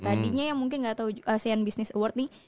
tadinya yang mungkin gak tau asean business award nih